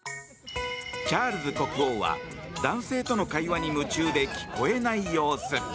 チャールズ国王は男性との会話に夢中で聞こえない様子。